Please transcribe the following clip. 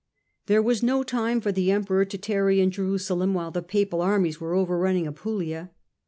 There was no time for the Emperor to tarry in Jeru salem while the Papal armies were overrunning Apulia.